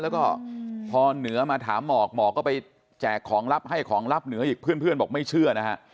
แล้วก็พอเหนือมาถามหมอกหมอกก็ไปแจกของลับให้ของลับเหนืออีกเพื่อนบอกไม่เชื่อนะฮะ